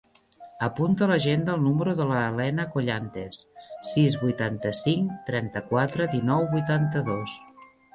Apunta a l'agenda el número de la Helena Collantes: sis, vuitanta-cinc, trenta-quatre, dinou, vuitanta-dos.